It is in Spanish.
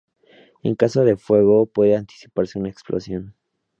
En caso de fuego, puede anticiparse una explosión.